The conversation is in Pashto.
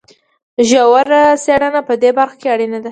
ژوره څېړنه په دې برخه کې اړینه ده.